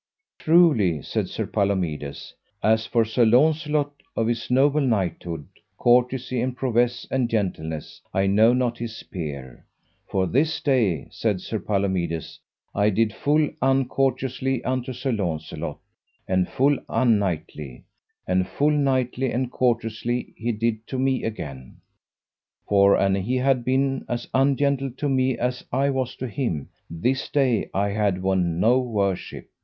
Truly, said Sir Palomides, as for Sir Launcelot, of his noble knighthood, courtesy, and prowess, and gentleness, I know not his peer; for this day, said Sir Palomides, I did full uncourteously unto Sir Launcelot, and full unknightly, and full knightly and courteously he did to me again; for an he had been as ungentle to me as I was to him, this day I had won no worship.